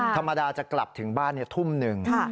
ธรรมดาจะกลับถึงบ้านทุ่มหนึ่ง